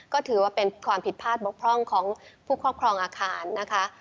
ก็ถือว่าเป็นความผิดพลาดบกพร่องของผู้ครอบครองอาคารนะคะ